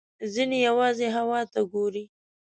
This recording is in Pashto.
ځینې یوازې هوا ته ګوري.